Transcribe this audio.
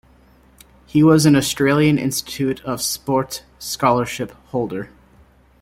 He was an Australian Institute of Sport scholarship holder.